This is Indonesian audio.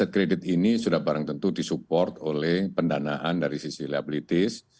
kredit ini sudah barang tentu disupport oleh pendanaan dari sisi liabilitis